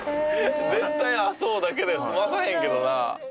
絶対「あっそう」だけでは済まさへんけどな。